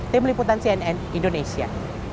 tim liputan cnn indonesia